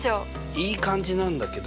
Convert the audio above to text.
いい感じなんだけど。